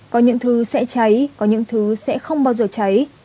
có những thứ sẽ cháy có những thứ sẽ không bao giờ cháy